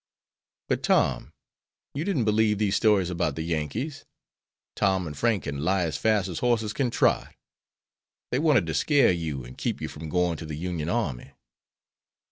"But, Tom, you didn't believe these stories about the Yankees. Tom and Frank can lie as fast as horses can trot. They wanted to scare you, and keep you from going to the Union army."